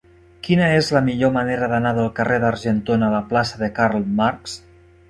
Quina és la millor manera d'anar del carrer d'Argentona a la plaça de Karl Marx?